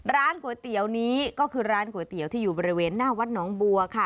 ร้านก๋วยเตี๋ยวนี้ก็คือร้านก๋วยเตี๋ยวที่อยู่บริเวณหน้าวัดหนองบัวค่ะ